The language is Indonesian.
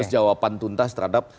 terus jawaban tuntas terhadap